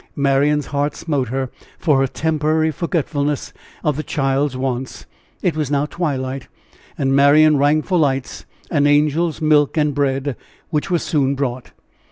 Marian's heart smote her for her temporary forgetfulness of the child's wants. It was now twilight, and Marian rang for lights, and Angel's milk and bread, which were soon brought.